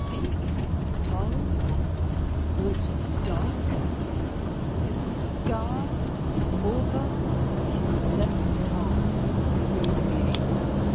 "He is tall and dark with a scar over his left eye," resumed the medium.